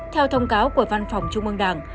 theo thông cáo của văn phòng trung mương đảng